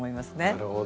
なるほど。